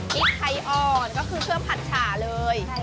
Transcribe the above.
พริกไทยอ่อนก็คือเครื่องผัดฉาเลย